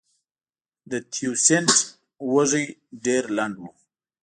د تیوسینټ وږی ډېر لنډ و